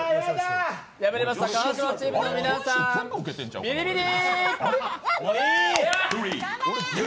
敗れました川島チームの皆さんビリビリ！